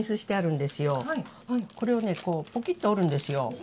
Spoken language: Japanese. これをねこうポキッと折るんですよ。